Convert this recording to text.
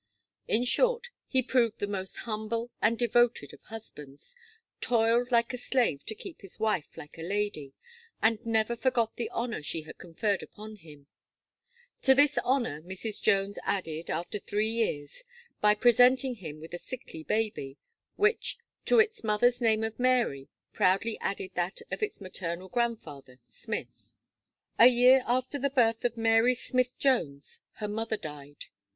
In short, he proved the most humble and devoted of husbands, toiled like a slave to keep his wife like a lady, and never forgot the honour she had conferred upon him; to this honour Mrs. Jones added, after three years, by presenting him with a sickly baby, which, to its mother's name of Mary, proudly added that of its maternal grandfather Smith. A year after the birth of Mary Smith Jones, her mother died.